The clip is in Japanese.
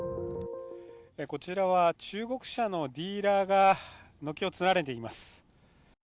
こちらは中国車のディーラーが軒を連ねています。